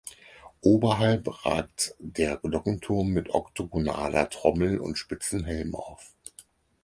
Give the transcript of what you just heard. Oberhalb ragt der Glockenturm mit oktogonaler Trommel und spitzem Helm auf.